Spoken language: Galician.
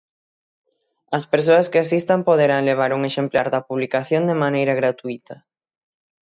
As persoas que asistan poderán levar un exemplar da publicación de maneira gratuíta.